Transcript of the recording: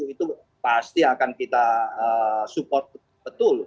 itu pasti akan kita support betul